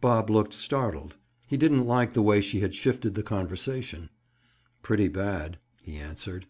Bob looked startled. He didn't like the way she had shifted the conversation. "Pretty bad," he answered.